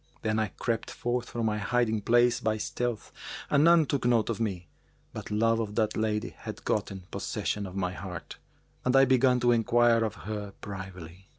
Then I crept forth from my hiding place by stealth, and none took note of me, but love of that lady had gotten possession of my heart, and I began to enquire of her privily.